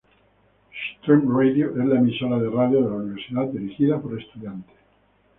Xtreme Radio es la emisora de radio de la Universidad, dirigida por estudiantes.